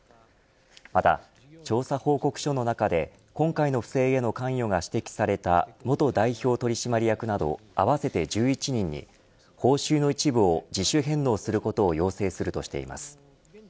また調査報告書の中で今回の不正への関与が指摘された元代表取締役など合わせて１１人に報酬の一部を自主返納することを要請するとしています。